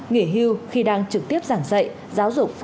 nghỉ hưu khi đang trực tiếp giảng dạy giáo dục